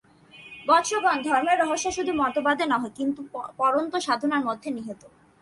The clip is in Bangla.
বৎসগণ, ধর্মের রহস্য শুধু মতবাদে নহে, পরন্তু সাধনার মধ্যে নিহিত।